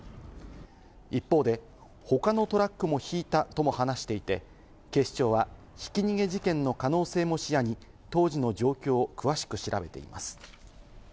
一方で、他のトラックもひいたとも話していて、警視庁はひき逃げ事件の可能性も視野に当時の状況を詳しく調べています。